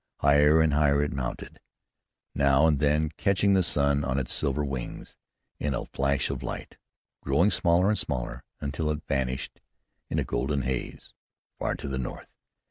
Higher and higher it mounted, now and then catching the sun on its silver wings in a flash of light, growing smaller and smaller, until it vanished in a golden haze, far to the north.